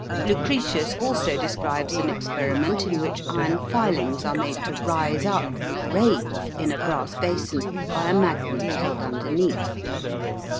Lucretius also describes an experiment in which iron filings are made to rise up and "rave" in a brass basin by a magnet held underneath.